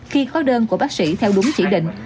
khi khó đơn của bác sĩ theo đúng chỉ định